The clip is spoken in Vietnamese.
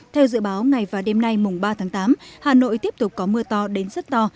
theo dự báo ngày và đêm nay mùng ba tháng tám hà nội tiếp tục có mưa to đến rất to